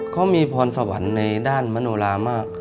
เขามีพรสวรรค์ในด้านมโนรามาก